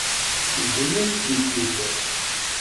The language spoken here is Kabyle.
Teǧǧa-yam-tent-id.